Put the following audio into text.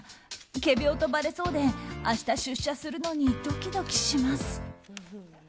仮病とばれそうで、明日出社するのにドキドキします。